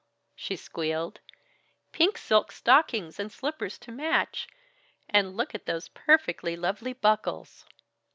she squealed. "Pink silk stockings and slippers to match; and look at those perfectly lovely buckles!"